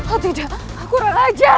oh tidak kurang ajar